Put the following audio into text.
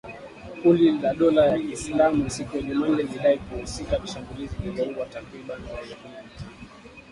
Kundi la Dola ya Kiislamu siku ya Jumanne lilidai kuhusika na shambulizi lililoua takribani raia kumi na tano